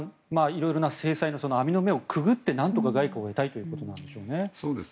色々な制裁の網の目をくぐってなんとか外貨を得たいということなんでしょうね。